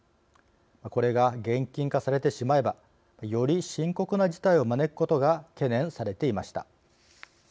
これが現金化されてしまえばより深刻な事態を招くことが懸念されていました。